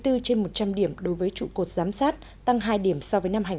bảy mươi bốn trên một trăm linh điểm đối với trụ cột giám sát tăng hai điểm so với năm hành một mươi bảy